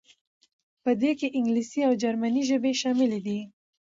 په دې کې انګلیسي او جرمني ژبې شاملې دي.